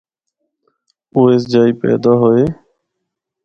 کہ او اس جائی پیدا ہویے۔